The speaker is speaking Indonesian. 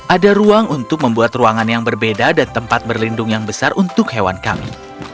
ada ruang untuk membuat ruangan yang berbeda dan tempat berlindung yang besar untuk hewan kami